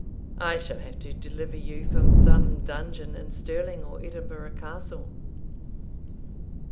I shall have to deliver you from some dungeon in Stirling or Edinburgh Castle.'